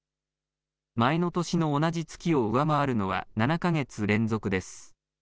前の年の同じ月を上回るのは７か月連続です。